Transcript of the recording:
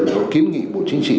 để kiếm nghị bộ chính trị